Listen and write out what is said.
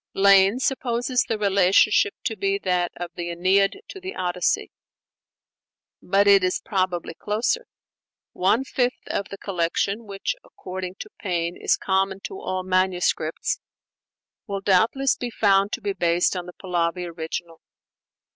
Lane supposes the relationship to be that of the 'Æneid' to the 'Odyssey.' But it is probably closer: one fifth of the collection which, according to Payne, is common to all manuscripts, will doubtless be found to be based on the Pahlavi original.